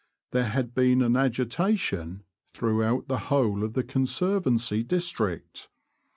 There had been an agitation throughout the whole of the Conservancy district.